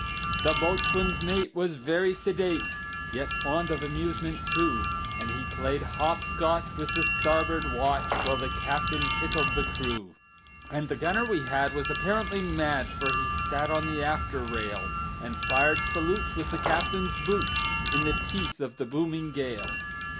The boatswain's mate was very sedate, Yet fond of amusement, too; And he played hop scotch with the starboard watch, While the captain tickled the crew. And the gunner we had was apparently mad, For he sat on the after rail, And fired salutes with the captain's boots, In the teeth of the booming gale.